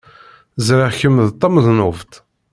Ẓriɣ kemm d tamednubt.